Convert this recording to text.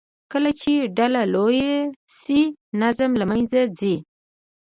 کله چې ډله لویه شي، نظم له منځه ځي.